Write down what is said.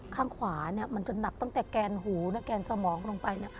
ข้างขวามันจะหนักตั้งแต่แกนหูแกนสมองลงไป